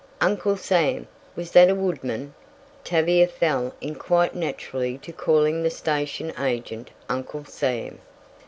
"Uncle Sam, was that a woodman?" Tavia fell in quite naturally to calling the station agent Uncle Sam.